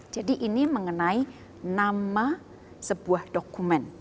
jadi ini mengenai nama sebuah dokumen